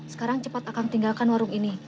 sekarang cepat akan tinggalkan warung ini